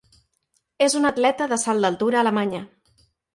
És una atleta de salt d'altura alemanya.